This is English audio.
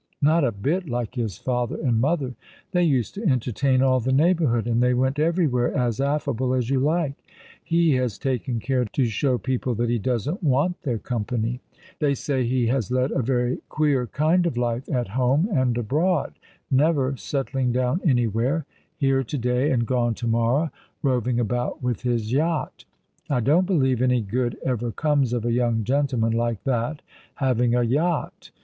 Not a bit like his father and mother. They used to entertain all the neighbourhood, and they went everywhere, as affable as you like. He has taken care to show people that he doesn't want their company. They say he has led a very queer kind of life at home and abroad ; never setthng down anywhere, here to day and gone to morrow; roving about with his yacht. I don't believe any good ever comes of a young gentleman like that having a yacht.